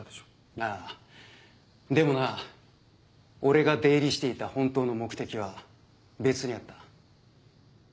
ああでもな俺が出入りしていた本当の目的は別にあった。